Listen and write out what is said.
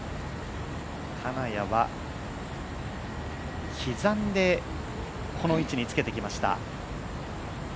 金谷は、刻んでこの位置につけてきました。